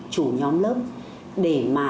chủ nhóm lớp để mà